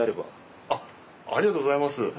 ありがとうございます。